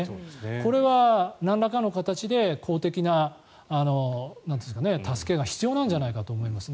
これはなんらかの形で公的な助けが必要じゃないかと思いますね。